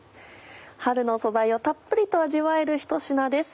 春の素材をたっぷりと味わえるひと品です。